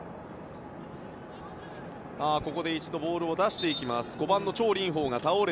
ここで一度ボールを出していきました。